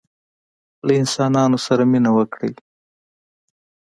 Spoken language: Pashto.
له انسانانو سره مینه وکړئ